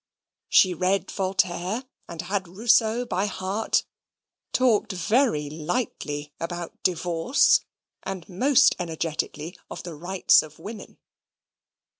She read Voltaire, and had Rousseau by heart; talked very lightly about divorce, and most energetically of the rights of women.